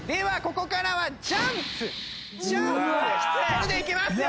これでいきますよ。